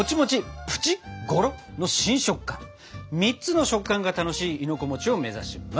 ３つの食感が楽しい亥の子を目指します！